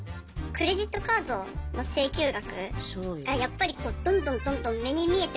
クレジットカードの請求額がやっぱりどんどんどんどん目に見えて大きくなってく。